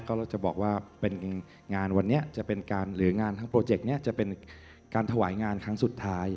เราก็จะบอกว่างานวันนี้หรืองานทั้งโปรเจกต์จะเป็นการถวายงานครั้งสุดท้าย